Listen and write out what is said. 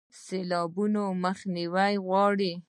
سیلاب مخنیوی غواړي